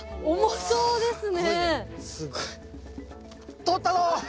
そうですね。